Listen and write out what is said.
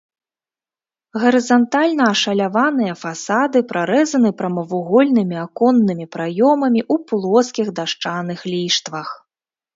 Гарызантальна ашаляваныя фасады прарэзаны прамавугольнымі аконнымі праёмамі ў плоскіх дашчаных ліштвах.